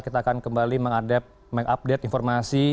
kita akan kembali mengupdate informasi